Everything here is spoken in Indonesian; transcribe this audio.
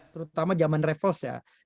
terutama zaman revols ya